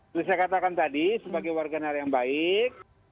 seperti saya katakan tadi sebagai warganara yang baik